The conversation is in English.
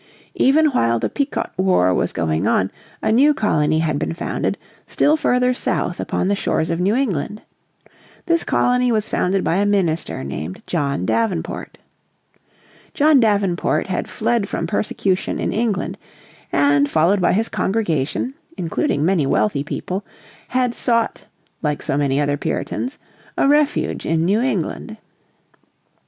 Even while the Pequot war was going on a new colony had been founded, still further south upon the shores of New England. This colony was founded by a minister named John Davenport. John Davenport had fled from persecution in England, and, followed by his congregation, including many wealthy people, had sought, like so many other Puritans, a refuge in New England.